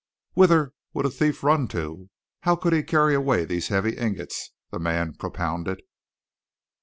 "Whither would a thief run to? How could he carry away these heavy ingots?" the man propounded.